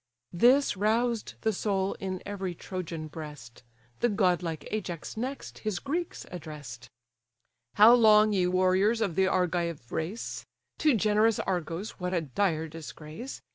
This roused the soul in every Trojan breast: The godlike Ajax next his Greeks address'd: "How long, ye warriors of the Argive race, (To generous Argos what a dire disgrace!)